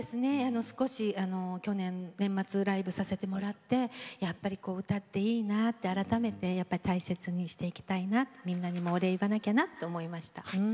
少し去年年末ライブさせてもらってやっぱりこう歌っていいなあって改めてやっぱり大切にしていきたいなみんなにもお礼言わなきゃなと思いました。